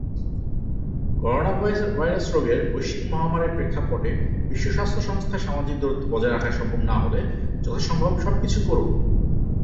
Coronavirus রোগের বৈশ্বিক মহামারীর প্রেক্ষাপটে বিশ্ব স্বাস্থ্য সংস্থা সামাজিক দূরত্ব বজায় রাখা সম্ভব না হলে "যথাসম্ভব সব কিছু করুন!"